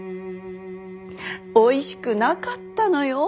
おいしくなかったのよ。